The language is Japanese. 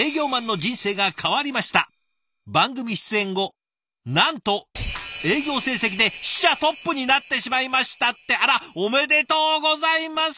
「番組出演後なんと営業成績で支社トップになってしまいました」ってあらおめでとうございます！